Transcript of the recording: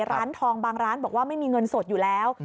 ร้านทองบางร้านบอกว่าไม่มีเงินสดอยู่แล้ว